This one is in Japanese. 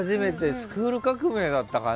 「スクール革命！」だったかな？